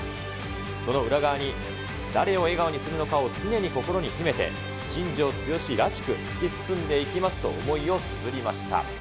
その裏側に誰を笑顔にするのかを常に心に秘めて、新庄剛志らしく突き進んで生きますと、思いをつづりました。